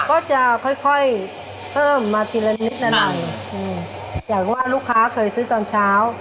ก็จะค่อยค่อยเพิ่มมาทีละนิดละหน่อยอืมอย่างว่าลูกค้าเคยซื้อตอนเช้า